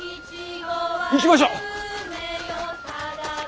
行きましょう。